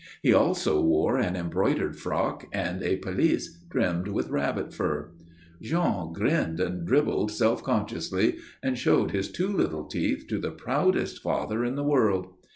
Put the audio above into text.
He also wore an embroidered frock and a pelisse trimmed with rabbit fur. Jean grinned and dribbled self consciously, and showed his two little teeth to the proudest father in the world.